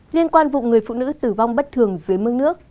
liên quan vụ người phụ nữ tử vong bất thường dưới mương nước